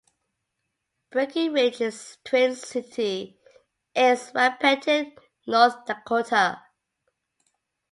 Breckenridge's twin city is Wahpeton, North Dakota.